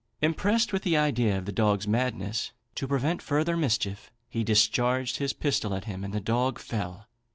Impressed with the idea of the dog's madness, to prevent further mischief, he discharged his pistol at him, and the dog fell.